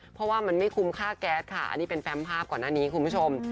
เพราะว่ามันไม่คุ้มค่าแก๊สค่ะอันนี้เป็นแฟมภาพก่อนหน้านี้คุณผู้ชม